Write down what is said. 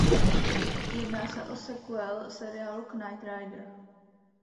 Jedná se o sequel seriálu "Knight Rider".